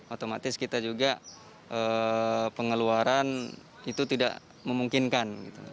otomatis kita juga pengeluaran itu tidak memungkinkan